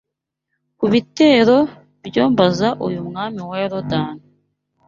kubitero byo mbaza uyu mwami wa Yorodani